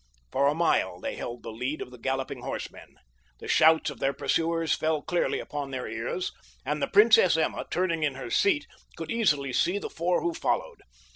For a mile they held the lead of the galloping horsemen. The shouts of their pursuers fell clearly upon their ears, and the Princess Emma, turning in her seat, could easily see the four who followed.